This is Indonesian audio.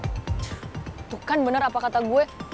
itu kan bener apa kata gue